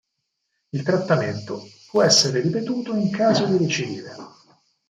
Il trattamento può essere ripetuto in caso di recidive.